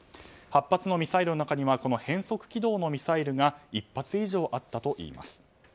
８発のミサイルの中には変則軌道のミサイルが１発以上あったといいます。